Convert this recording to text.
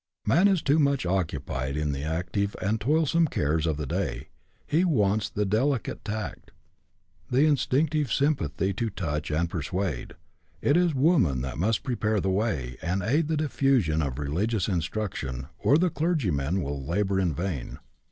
• Man is too much occupied in tlie active and toilsome cares of the day ; he wants the delicate tact, the instinctive sympathy to touch and persuade. It is woman that must prepare the way, and aid the diifusion of religious instruction, or the clergyman will labour in vain.